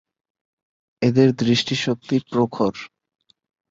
এদের দৃষ্টিশক্তি প্রখর।